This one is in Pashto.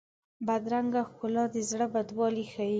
بدرنګه ښکلا د زړه بدوالی ښيي